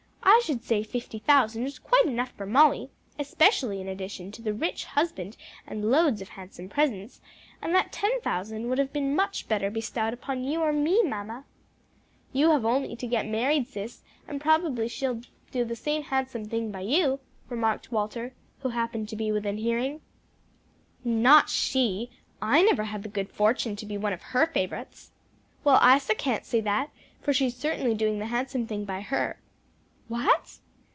"I should say fifty thousand was quite enough for Molly especially in addition to the rich husband and loads of handsome presents and that ten thousand would have been much better bestowed upon you or me, mamma." "You've only to get married, sis, and probably she'll do the same handsome thing by you," remarked Walter, who happened to be within hearing. "Not she! I never had the good fortune to be one of her favorites." "Well, Isa can't say that, for she's certainly doing the handsome thing by her." "What?"